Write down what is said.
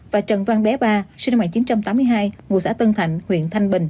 và trần văn bé ba sinh năm một nghìn chín trăm tám mươi hai ngụ xã tân thạnh huyện thanh bình